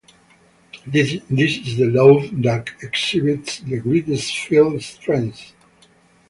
This is the lobe that exhibits the greatest field strength.